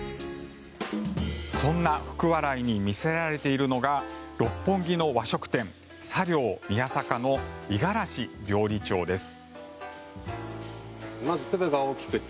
そんな福、笑いに見せられているのが六本木の和食店茶寮宮坂の五十嵐料理長です。